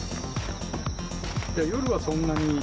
夜はそんなに？